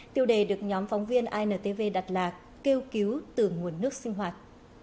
tiêu đề được nhóm phóng viên intv đạt lạc kêu cứu từ nguồn nước sinh hoạt